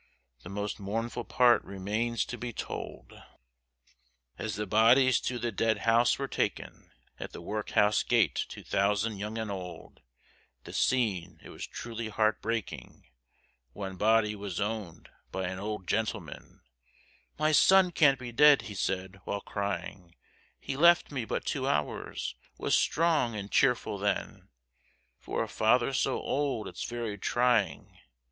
The most mournful part remains to be told, As the bodies to the dead house were taken, At the workhouse gate two thousand young and old, The scene it was truly heart breaking; One body was owned by an old gentleman, My son can't be dead, he said, while crying, He left me but two hours, was strong and cheerful then, For a father so old it's very trying.